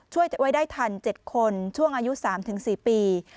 ช่วยไว้ได้ทัน๗คนช่วงอายุ๓๔ปี